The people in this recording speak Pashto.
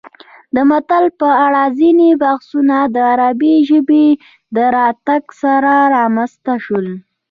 د متل په اړه ځینې بحثونه د عربي ژبې د راتګ سره رامنځته شول